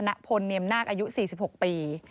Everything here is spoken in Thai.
นายธนพลเนียมนาคอายุ๔๖ปี